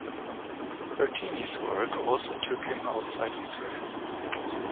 Bertini's work also took him outside Israel.